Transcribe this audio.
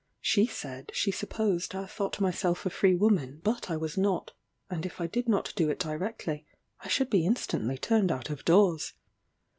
She said, she supposed I thought myself a free woman, but I was not; and if I did not do it directly I should be instantly turned out of doors.